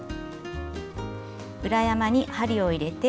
裏山に針を入れて。